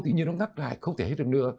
tự nhiên nó ngắt lại không thể hít được nữa